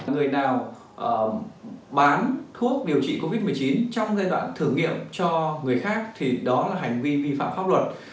người nào bán thuốc điều trị covid một mươi chín trong giai đoạn thử nghiệm cho người khác thì đó là hành vi vi phạm pháp luật